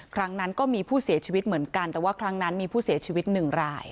ครั้งนั้นก็มีผู้เสียชีวิตเหมือนกันแต่ว่าครั้งนั้นมีผู้เสียชีวิตหนึ่งราย